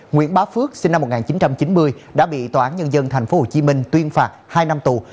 nguyễn bá phước sinh năm một nghìn chín trăm chín mươi đã bị tòa án nhân dân tp hcm tuyên phạt hai năm tù